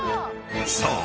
［そう。